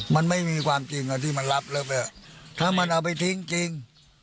มันไม่มีความจริงที่มันรับแล้วไปถ้ามันเอาไปทิ้งจริง